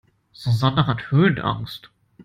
Susanne hat Höhenangst.